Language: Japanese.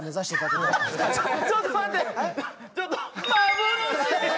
ちょっと待って！